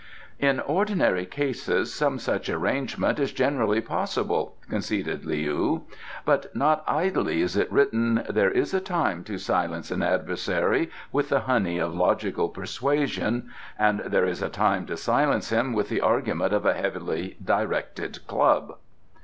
"In ordinary cases some such arrangement is generally possible," conceded Leou; "but not idly is it written: 'There is a time to silence an adversary with the honey of logical persuasion, and there is a time to silence him with the argument of a heavily directed club.